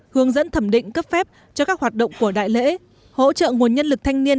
hướng dẫn thẩm định cấp phép cho các hoạt động của đại lễ hỗ trợ nguồn nhân lực thanh niên